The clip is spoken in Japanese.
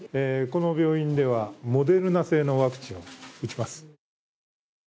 この病院ではモデルナ製のワクチンを打ちます。